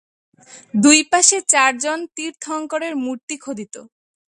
দুইপাশে চার জন তীর্থঙ্করের মূর্তি খোদিত।